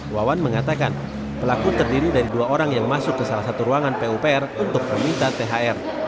wawan mengatakan pelaku terdiri dari dua orang yang masuk ke salah satu ruangan pupr untuk meminta thr